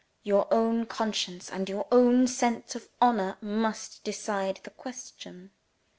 Your own conscience and your own sense of honor must decide the question.